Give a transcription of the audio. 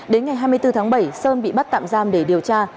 đến ngày hai mươi bốn tháng bảy sơn bị bắt tạm giam để điều tra